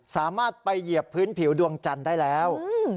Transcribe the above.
สามารถไปเหยียบพื้นผิวดวงจันทร์ได้แล้ว